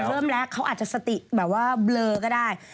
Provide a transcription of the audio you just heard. เริ่มแล้วเขาอาจจะสติแบบว่าเบลอก็ได้